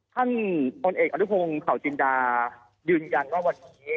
ท่านพลเอกอนุพงศ์เผาจินดายืนยันว่าวันนี้